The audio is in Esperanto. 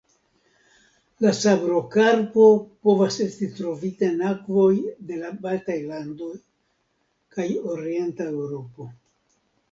La sabrokarpo povas esti trovita en akvoj de la Baltaj landoj kaj Orienta Eŭropo.